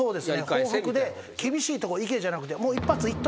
報復で「厳しいとこいけ」じゃなくて。